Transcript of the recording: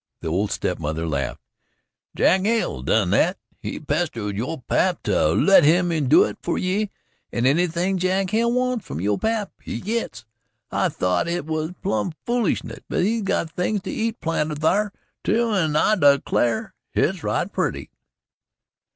The old step mother laughed: "Jack Hale done that. He pestered yo' pap to let him do it fer ye, an' anything Jack Hale wants from yo' pap, he gits. I thought hit was plum' foolishness, but he's got things to eat planted thar, too, an' I declar hit's right purty."